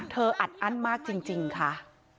อัดอั้นมากจริงค่ะ